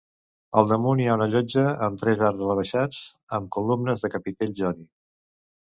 Al damunt hi ha una llotja amb tres arcs rebaixats amb columnes de capitell jònic.